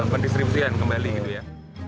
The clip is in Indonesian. pendistripsian kembali gitu ya